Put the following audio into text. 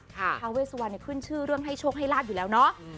ทาเวสวันขึ้นชื่อเรื่องให้โชคให้ลาบอยู่แล้วเนาะ